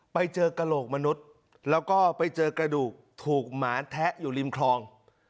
ไปเจอกระโหลกมนุษย์แล้วก็ไปเจอกระดูกถูกหมาแทะอยู่ริมคลอง